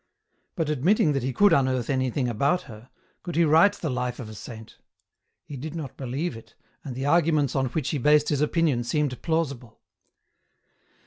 But admitting that he could unearth anything about her, could he write the life of a saint ? He did not believe it, and the arguments on which he based his opinion seemed plausible.